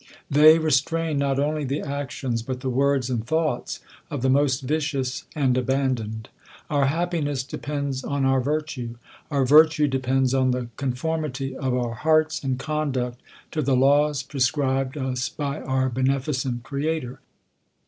They restrain not only the actions, butjhe words and thoughts of the most vicious and abandonee. Our happiness de pends on our virtue. Our virtue depends on the con formity of our hearts and conduct to the laws prescri bed us by our beneficent Creator.